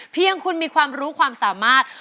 เพียงคุณมีความรู้ความสามารถ